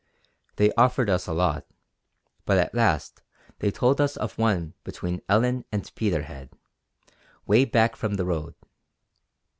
They offered us a lot; but at last they told us of one between Ellon and Peterhead, way back from the road.